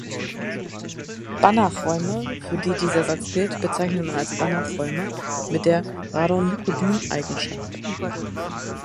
Banachräume, für die dieser Satz gilt, bezeichnet man als "Banachräume mit der Radon-Nikodym-Eigenschaft".